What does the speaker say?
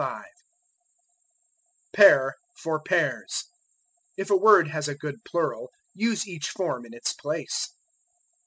Pair for Pairs. If a word has a good plural use each form in its place.